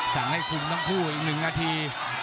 สั่งให้คุมทั้งคู่อีก๑นาที